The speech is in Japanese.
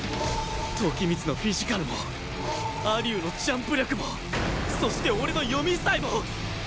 時光のフィジカルも蟻生のジャンプ力もそして俺の読みさえも